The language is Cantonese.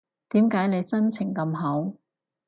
點解你心情咁好